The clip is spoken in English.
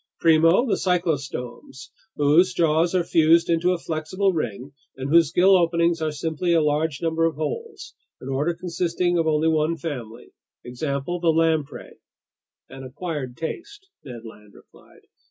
"Primo, the cyclostomes, whose jaws are fused into a flexible ring and whose gill openings are simply a large number of holes, an order consisting of only one family. Example: the lamprey." "An acquired taste," Ned Land replied.